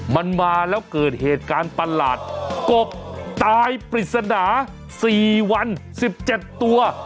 มันมาแล้วเกิดเหตุการณ์ประหลาดกบตายปริศนา๔วัน๑๗ตัว